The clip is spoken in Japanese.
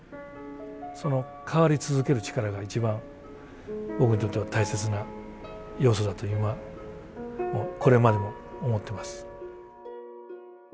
その変わり続ける力が一番僕にとっては大切な要素だと今もこれまでも思ってます。